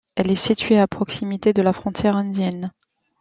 Elle est située à proximité de la frontière indienne.